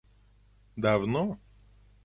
давно